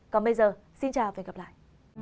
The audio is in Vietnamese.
còn bây giờ xin chào và hẹn gặp lại